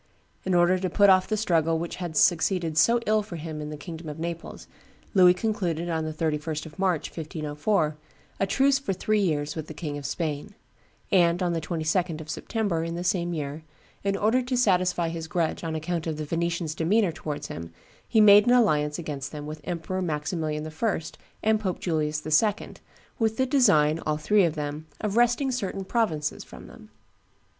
In order to put off the struggle which had succeeded so ill for him in the kingdom of Naples, Louis concluded, on the 31st of March, 1504, a truce for three years with the King of Spain; and on the 22d of September, in the same year, in order to satisfy his grudge on account of the Venetians' demeanor towards him, he made an alliance against them with Emperor Maximilian I. and Pope Julius II., with the design, all three of them, of wresting certain provinces from them.